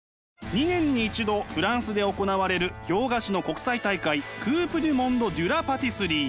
２年に一度フランスで行われる洋菓子の国際大会クープ・デュ・モンド・ドゥ・ラ・パティスリー。